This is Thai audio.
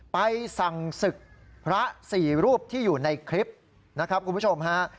ไปสั่งศึกพระสี่รูปที่อยู่ในคลิปนะครับคุณผู้ชมฮะ